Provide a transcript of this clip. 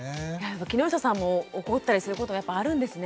木下さんも怒ったりすることやっぱあるんですね。